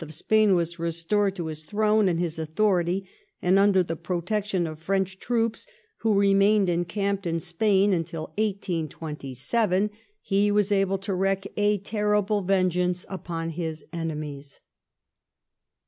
of Spain was restored to his throne and his authority, and, under the protection of French troops, who remained encamped in Spain until 1827, he was able to wreak a terrible vengeance upon his enemies.